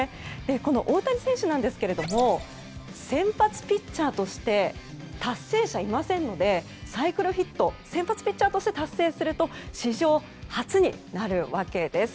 この大谷選手なんですけれども先発ピッチャーとして達成者がいませんのでサイクルヒットを先発ピッチャーとして達成すると史上初になるわけです。